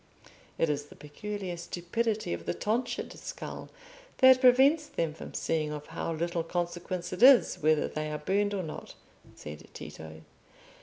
"It is the peculiar stupidity of the tonsured skull that prevents them from seeing of how little consequence it is whether they are burned or not," said Tito.